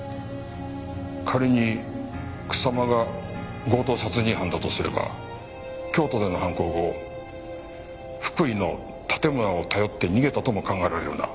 仮に草間が強盗殺人犯だとすれば京都での犯行後福井の盾村を頼って逃げたとも考えられるな。